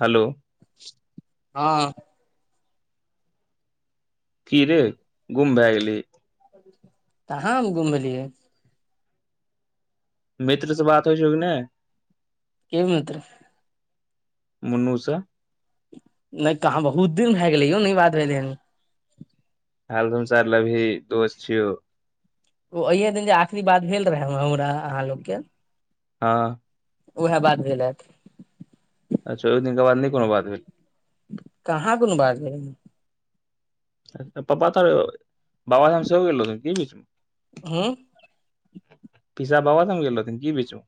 हलो [inaudible] हँ कि रै गुम भेऽ गेलैही कहाँ हम गुम भेलिए मित्र से बात होय छौ की नेै केँ मित्र मुन्नू स नै तऽ हम हु दिन भै गेलै यौ नै बात भेलै हन हालसमाचार लब ही दोस्त छियौ ओ अहिये दिन जे आखिरी बात भेल रहे हमरा आहाँ लोक केँ हऽ उहे बात भेल है तऽ अच्छा ओ दिन केँ बाद नै कोनो बात भे काहाँ कोनो बात भेल पप्पा तोहर बाबाधाम सेहो गेलरहथिन की बोच म [unintelligible] पिसा बाबाधाम गेल रहथिन की बीच में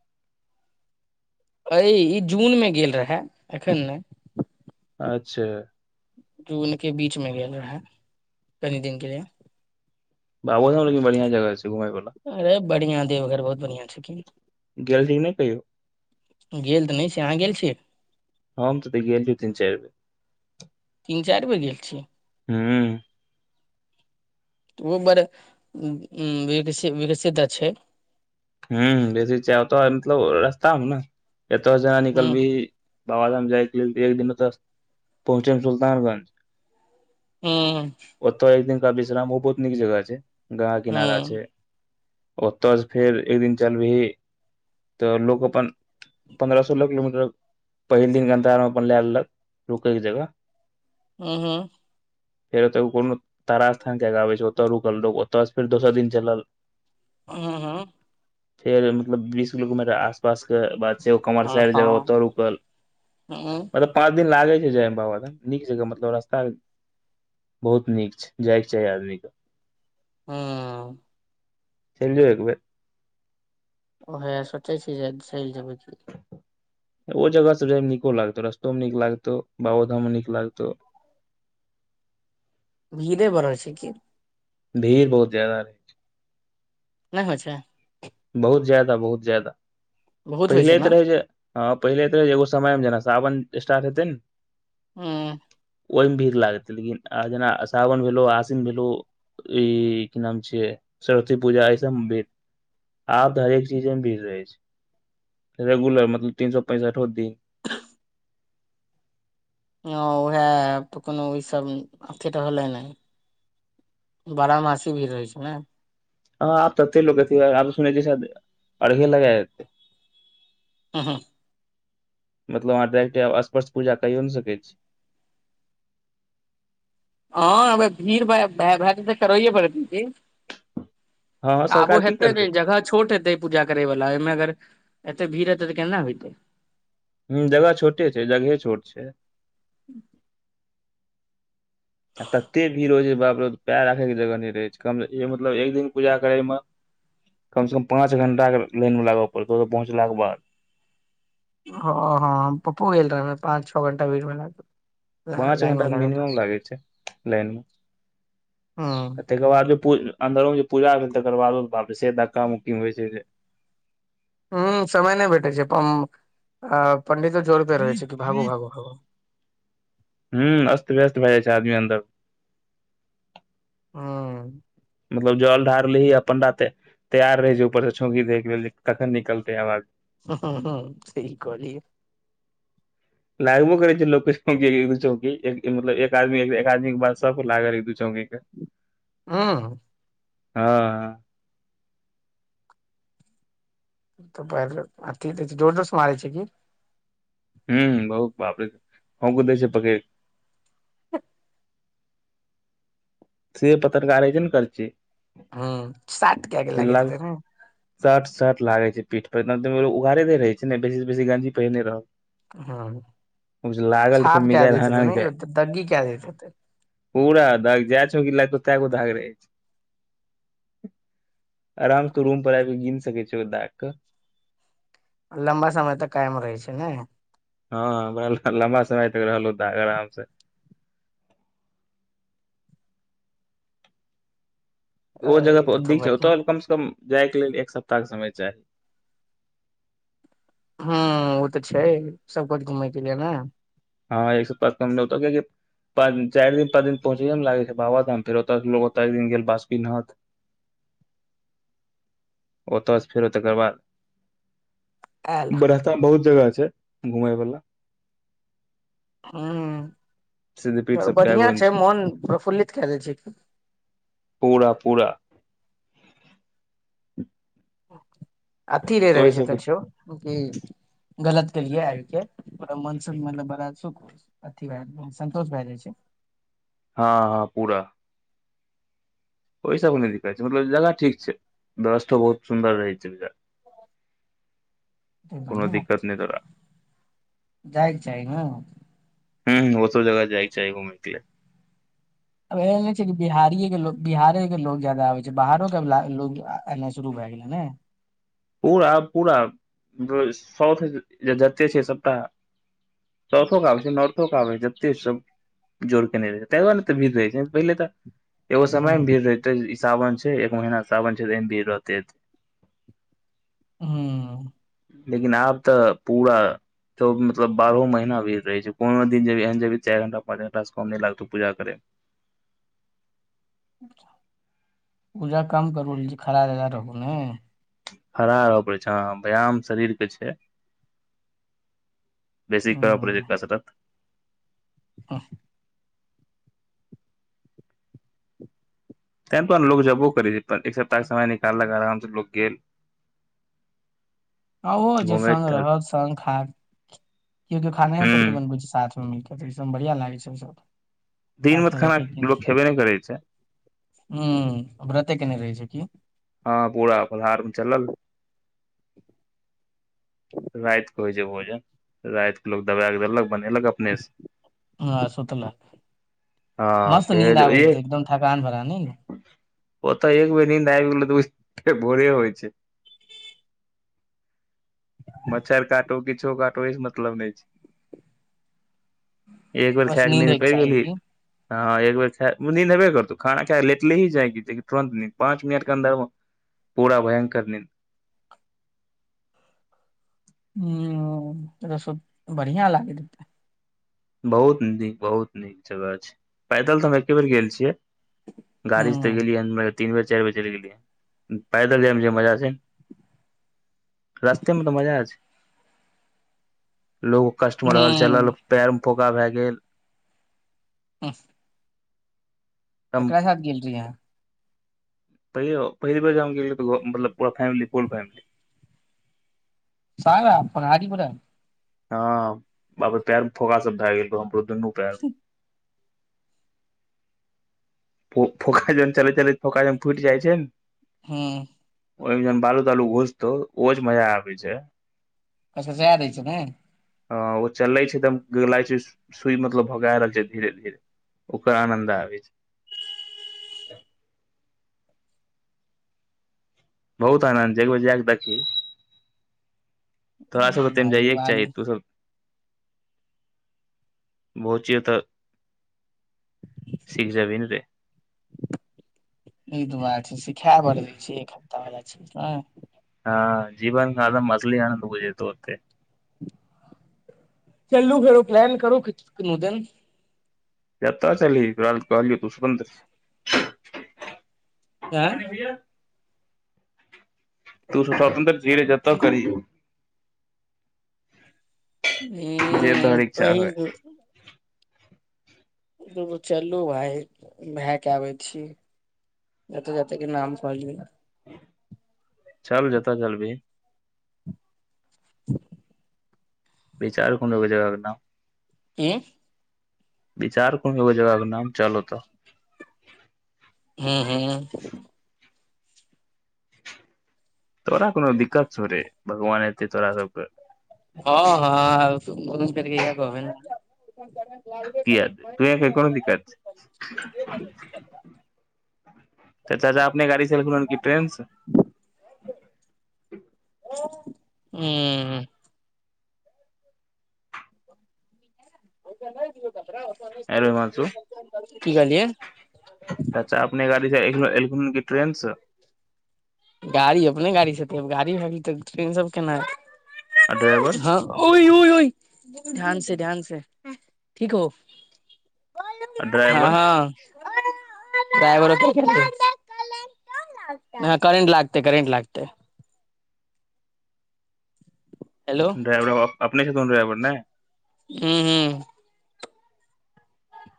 अैय ई जून में गेल रहेऽ एखन नैय अच्छा जून के बीच में गेल रहेऽ कनि दिन के लिये बाबो धाम लेकिन बढ़िया जगह छै घुमैवला अरे बढ़िया देवघर बहुत बढ़िया छथिन गेलही नैय कहियौ गेल तऽ नैय छिय आहाँ गेल छियै हम तऽ गेल छी तीन चारि बेर तीन चैर बेर गेल छी हूँ ओ बड़ विकसि विरशित छैय हूँ बेैसी छैय ओतऽ मतलब रास्ता हु ने एतऽ जे हूँ निकलबीही बाबाधाम जाय के लेल एक दिन तऽ पहुँचे म् सुलतानगंज हूँ ओतऽ एक दिन का विश्राम ओ बहुत नीक जगह छैय गंगा किनारा हूँ छैय ओतऽ से फेर एक दिन चलबीही तऽ लोक अपन पन्द्रह सोलह किलोमीटर पहिले दिन के अंतार मे अपन लय लेलक रुकय के जगह हूँ हूँ फेर ओतय कोनो तारा स्थान के कऽ छै ओतय रुकल लोग ओतऽ स फेर दोसर दिन चलल हूँ हूँ फेर मतलब बीस किलोमीटर के आस पास के बाद छै ओ हूँ कमरसेएर जगह ओतऽ हूँ रुकल हूँ मतलब पाँच दिन लागेै छै जाय में बाबाधाम नीक जगह मतलब रास्ता बहुत नीक छै जाय के चाही आदमी के हूँ चैल जो एक बैर ओहय सोचै छी जे चैल जबै की ओ जगह सब जाएमे नीको लागतौ रस्तो मे नीक लागतौ बाबोधाम में नीक लागतो भीड़े बड़ होए छैय की भीड़ बहुत ज्यादा रहै नैय होय छै बहुत ज्यादा बहुत ज्यादा बहुत होइ छै पहिले ने तऽ रहै जे ह पहिले तऽ एगो समय मे जेना सावन स्टार्ट हेतै ने हूँ ओयमे भीड़ लागतै लेकिन आ जेना सावन भेलौ आश्विन भेलौ ई की नाम छिय सरस्वती पूजा ऐस म भीर आब तऽ हरेक चीज में भीड़ रहे छै रेगुलर मतलब तीन सौ पैंसठो दिन [inaudible] ह उएह तऽ कोनो ई सब अथी तऽ होलै नय बारा मासी भीड़ रहै छै नै हँ आप तते लोग अथि सुने छीय अर्घे लगएते हूँ हूं मतलब अहाँ डायरेक्ट स्पर्श पूजा कयो ने सकैत छी हँ भीड़ वायह भै जेते त करैए पड़त हँ हँ काबू सरकार की हेतै ने करतै जगह छोट हेतै पूजा करे वला ओएमे अगर एते भीड़ एते तऽ केना होयते हूं जगह छोटे छै जगहे छोट छै आ तते भीड़ होइ छै बाप रे पैर राखैके जगह नय रहै छै कम इ म मतलब एक दिन पूजा करय मे कम सँ कम पाँच घंटा लाइन में लागऽ पड़तौ ओतऽ पहुँचलाके बाद हँ हँ पप्पो गेल रहे ह पाँच छौ घंटा भीर मे ल पाँंच घंटा मिनिमम लागे छै लाइन मे हूं आ तकर बाद पू अंन्दरों जे पूजा भेलै तकर बादो से धक्का उक्की होइ छै जे ह समय नय भेठे छै अपन पंडितो जोर पे रहै छै कि भागू भागू भागू हूं अस्त व्यस्त भए जाइ छै आदमी अन्दर हँ मतलब जल ढारलीही अ पणडा तै तैयार रहे छै ऊपर से छौंकी द केके लेल कखन निकलते आवा ह ह सही कहलिए लागबो करै छै लोक दू चौकी मतलब एक आदमी एक आदमी के बाद सब लागल एक दू छोकी के [inaudible] हँ हँ हँ इ त [unintelligible] अथि जोर जोर से मारै छै की ह बहुत बापरे होक दै छै पकेर [inaudible] से पतरका रहै छै ने करची ह साट कये के लागेत हैते हूँ सट सट लागे छै पीठ पर एना उघारे देेह रहे छै नऽ बेसी बेसी गंजी पहिरने रहल हँ लागल तऽ फेर छाप क मिजाज देेेत हेते हनहन न यो जाय दग्गी क देेेत हैते पूरा दाग जाए छौकी लागतौ तगो दाग रहे छै आराम सँ रूम पर आब कऽ गिन सकै छै दाग कऽ लम्बा समय तऽ कायम रहै छै ने हँ बड़ा लमबा समय तक रहल ओ दाग आराम से ओ अय, जगह ई तऽ पर तऽ दिक छै ओतऽ बढ़ियां कम से कम जाय के लेल एक सप्ताह के समय चाही हू ओ तऽ छै सबकछ घुमय के लिए ने हँ एक सप्ताह स कम नय कियाकि प चार दिन पाँच दिन पहुँचय मे लागै छै बाबाधाम फेर ओतय ओत एक दिन गेल बासुकीनाथ ओतऽ स फेरो तकर बाद आयल बरसता मे बहुत जगह छै घुमय वाला सिद्धपीठ ह सब कए गो बढ़िआं ने छै मोन प्रफुल्लित कए दै छै की पूरा पूरा अथी रे ओहि रहे छै सब कछौ गलत केलिए आयबके आ मनसख मतलब बड़ा सुख अथि भए सन्तोष भए जाइ छै हँ हँ पूरा ओय सबमे नय दिक्कत छै मतलब जगह ठीक छै दरस्थो बहुत सुंन्दर रहै छै बढ़िया बात दिक्कत नहि तोरा छै जाइके चाही ने ह ओ सब जगह जाइ के चाही घुमयके लेल ओए एहन छै बिहारीये के लोक बिहारे के लोग जादा आबै छै बाहरो के लोग एनाइ शुरू भए गेल ने पूरा पूरा साउथ जते छै न सबटा साउथो क आबै छै नॉर्थोक आबै छै जते सब जोर केने रहै तांऽ दुआरे न एतेऽ भीड़ रहै छै पहिले तऽ एगो समयमे हूँ भीड़ रहितै ई सावन छै एक महीना सावन छै तऽ एहिमे भीड़ रहतै हूँ लेकिन आब तऽ पूरा तो ओ मतलब बारहो महीना भीर रहै छै कोनो दिन जेबही एहन जेबही चाइर घंटा पाँंच घंटा से कम नहि लागतौ पूजा करैमे पूजा कम करू खड़ा ज़्यदा रहू ने खड़ा रहऽ पड़ै छै हाँ व्यायाम शरीरके छै बेसि करऽ पड़ै छै कसरत अंह तै दुआरे लोक जेबो करै छै एक सप्ताहक समय निकाललक आराम से लोक गेल [inaudible] हाँ ओहो छै घूमे संग टहल रहत संग खात के कियौ खाना ह सोप्ट बनबै छै साथमे मिलके तऽ इसभमे बढ़ियाँ लागै छै सब दिनमे साथ तऽ मे रह खाना के लोग खेबे नहि करै छै हूँ व्रते केने रहै छै की हाँ पूरा फलहार चलल रातिक होइ छै भोजन राइतकऽ लोग दबाकऽ देलक बनेलक अपने से हाँ आ सुतलक हँ मस्त निंद फेर आबैत ए हेतै एकदम थकान वला निंद ओतऽ एक बेर नीन्द आइब गेलै तऽ ओ भोरे होइ छै मच्छर काटौ किछो काटौ ओहिस मतलब नहि छै एक बेर बस खाकऽ नींद होयके पैड़ चाही गेलहिं की हूँ हाँ एक बेर खाय उ निंद एबै करतौ खाना खाय कऽ लेटलिहीं जाँकि तुरन्त नींद पाँच मिनटके अन्दरमे पूरा भयंकर नींद हूँ रसो बढ़ियाँ लागै हेतैय बहुत नीक बहुत नीक जगह छै पैदल तऽ हम एकेबेर गेल छियै गाड़ीसे तऽ हूँ गेलियै मने तीन बेर चारि बेर चलि गेलियै पैदल जायमे जे मजा छै रस्तेमे तऽ मजा छै लो- कष्टमे रहल हूँ चलल पैरमे फौका भए गेल हूँ हम ककरा साथ गेल रहियै अहाँ पहिले ओ पहिल बेर जे हम गेलियै मतलब पूरा फैमिली फूल फैमिली [unintelligible] हाँ बाप रे पैरमे फोँका सब भए गेल रहौ हमरो दुन्नू पैर फो- फोंका जहन चलै चलैत फोंका जहन फुटि जाइ छै न हूँ ओइमे जहन बालू तालू घूसतौ ओ जे मजा आबै छै कस कसा दै छै ने हाँ ओ चलले छै एकदम जना लागै छै सुइ मतलब भोंका रहल छै धीरे धीरे ओकरा आनन्द आबै छै [inaudible] बहुत आनन्द छे एक बेर जाकऽ देखीहीं तोड़ा सबके हूं तैमे भाय जाइएके बाल चाही तू सब भोचिय तऽ सीख जेबहीं न रे ई तऽ बात छै सिखाय बड़ दै छै एक हफ्ता वला चीज ने हँ जीवन एकदम असली आनन्द बुझैतो ओेते चलू फेरो प्लैन करु कुछ कोनो दिन केता छेलही तोरा तऽ कहलियौ तू स्वतंत्र छै आँए [unintelligible] तू स्वतंत्र छिही रे जतत करी जे हूं तोहर इच्छा होइ कहि दूगो चलू भाय भए के आबै छी जतऽ जतऽ के नाम कहलियै य चल जेतऽ चलबिही [inaudible] बिचार कोनो एगो जगह के नाम की बिचार कोनो एगो जगह के नाम चल ओतऽ हुँ हुँ तोरा कोनो दिक्कत छो रे भगवान एते तोरा सब के हँ हँ आहाँ बस इहे कहबै न किये दे तुहे कही कोन दिक्कत छै तोहर चाचा अपने गाड़ी से अलखून हन की ट्रेन से उंम्म [inaudible] आँय रे हिमांशु कहलियै चच्चा अपने गाड़ी से एलखून एल खुन की ट्रेन स गाड़ी अपने गाड़ी स एतै गाड़ी भए गेलै तऽ ट्रेन से अब केना आ ड्राइवर एथीन ओइ ओय ओय ध्यान से ध्यान से ठीक हो आ हँ ड्राइवर हँ ड्राइवर कै कऽ नय करेंट लागतै करेंट लागतै हेलो ड्राइवर आब अपने छथून ड्राइवर नय हुँ हुँ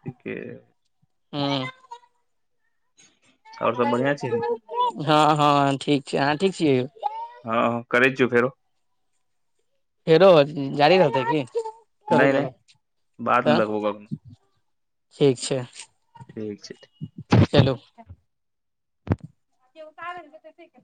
ठीके अय हुँ [inaudible] बढ़िआँ छै ने? हँ हँ ठीक छै अहाँ ठीक छियै यौ हँ हँ करे छीयो फेरो फेरो जारी रहतै की करू नहि करू नहि -त बादमे देखबौ कखनो ठीक छै ठीक छै चलु [inaudible]